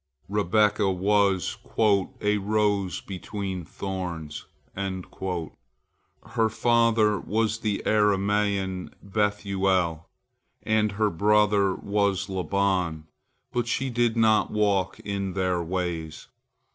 Rebekah was "a rose between thorns." Her father was the Aramean Bethuel, and her brother was Laban, but she did not walk in their ways.